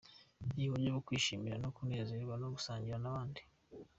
Ni uburyo bwo kwishima no kunezerwa no gusangira n’abandi.